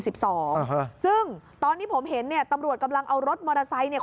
ซึ่งตอนที่ผมเห็นเนี่ยตำรวจกำลังเอารถมอเตอร์ไซค์เนี่ย